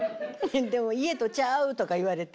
「でも家とちゃう」とか言われて。